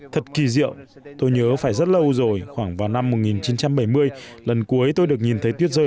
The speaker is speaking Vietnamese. thật kỳ diệu tôi nhớ phải rất lâu rồi khoảng vào năm một nghìn chín trăm bảy mươi lần cuối tôi được nhìn thấy tuyết rơi